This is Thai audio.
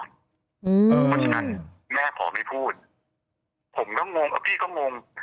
เพราะฉะนั้นแม่ขอไม่พูดผมก็งงเอาพี่ก็งง